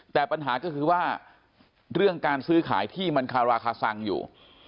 แต่ปัญหาก็คือว่าเรื่องการซื้อขายที่มันคาราคาซังอยู่